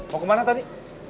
mau ke mana tadi